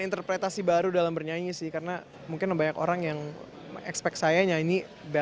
interpretasi baru dalam bernyanyi sih karena mungkin banyak orang yang expect saya nyanyi